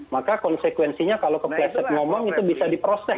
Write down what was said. maka konsekuensinya kalau kekuasaan ngomong itu bisa diprosek